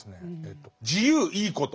自由いいこと